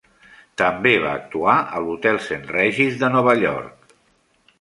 També va actuar a l'Hotel Saint Regis de Nova York.